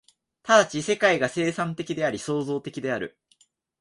即ち世界が生産的であり、創造的である。